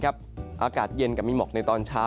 อากาศเย็นกับมีหมอกในตอนเช้า